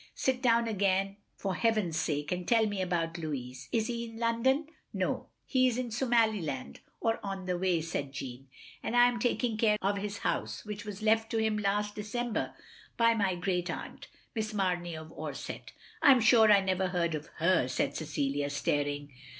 Sit down again for heaven's sake, and tell me about Louis. Is he in London?" " No, he is in Somaliland, or on the way, " said Jeanne, "and I am taking care of his house, which was left to him last December by my great aunt. Miss Mamey of Orsett. "" I *m sure I never heard of her, " said Cecilia, staring.